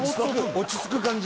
落ち着く感じ？